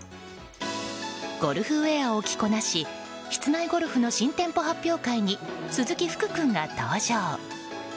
ゴルフウェアを着こなし室内ゴルフの新店舗発表会に鈴木福君が登場。